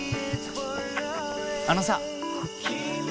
あのさ。